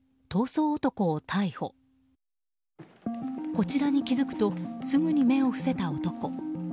こちらに気づくとすぐに目を伏せた男。